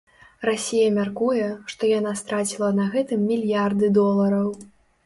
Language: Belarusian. Расія мяркуе, што яна страціла на гэтым мільярды долараў.